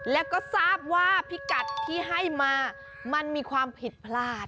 แล้วก็ทราบว่าพิกัดที่ให้มามันมีความผิดพลาด